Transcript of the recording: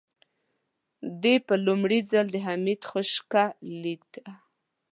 دې په لومړي ځل د حميد خشکه لېده.